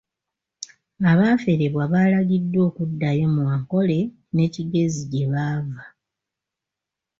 Abaaferebwa baalagidwa okuddayo mu Ankole ne Kigezi gye baava.